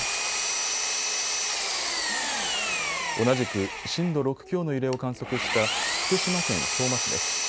同じく震度６強の揺れを観測した福島県相馬市です。